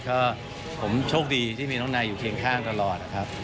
ก็ผมโชคดีที่มีน้องนายอยู่เคียงข้างตลอดนะครับ